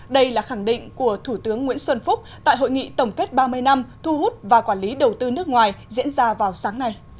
đây là khẳng định của thủ tướng nguyễn xuân phúc tại hội nghị tổng kết ba mươi năm thu hút và quản lý đầu tư nước ngoài diễn ra vào sáng nay